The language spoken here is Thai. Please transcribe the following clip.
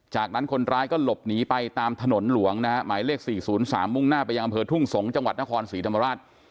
จากนั้นคนร้ายก็หลบหนีไปตามถนนหลวงนะฮะหมายเลข๔๐๓มุ่งหน้าไปยังอำเภอทุ่งสงศ์จังหวัดนครศรีธรรมราช